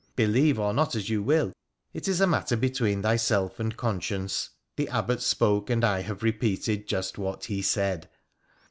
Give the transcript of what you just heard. ' Believe or not as you will, it is a matter between thyself and conscience. The Abbot spoke, and I have repeated just what he said.'